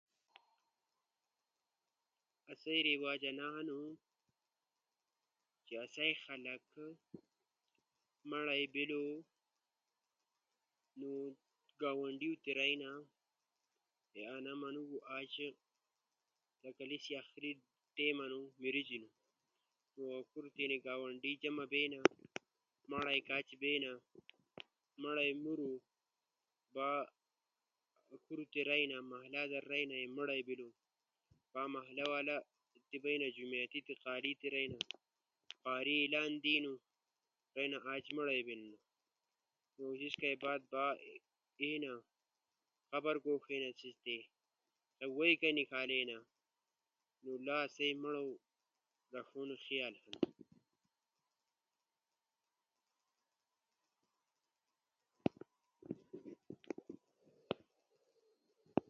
اسئی عیلاقودر ماڑر بیلو نو او سو بوکو گھنڈو نا با قبر کوݜونا با سیسی جینازو گوزارونا با انا جوڑدی سیسی استیقبال بینو آسئی علاقہ در مڑو بیلو نو آسئی بوگو گنڈونا، با قبر کورݜونا، با جنازو گوزارونا، با وھی نیکالونا، با دعا تھونا، با دفنارونا، با خیر تھونا۔ ہر دیس تعزیت تھونا۔ ڇئی دیس بعد ہر شیئی ختم تھونا۔ لواحقینو کئی تسلی دونا۔ ایک دو جے گا مدد تھونا۔